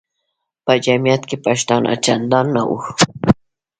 په جمیعت کې پښتانه چندان نه وو.